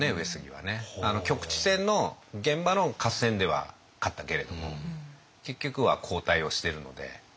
局地戦の現場での合戦では勝ったけれども結局は後退をしてるので。